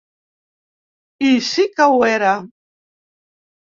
I sí que ho era.